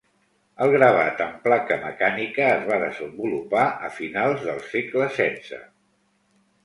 El gravat en placa mecànica es va desenvolupar a finals del segle XVI.